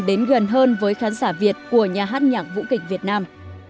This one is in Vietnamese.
đến gần hơn với khán giả việt của nhà hát nhạc vũ kịch việt nam